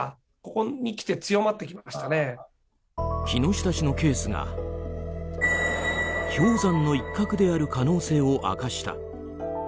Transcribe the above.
木下氏のケースが氷山の一角である可能性を明かした。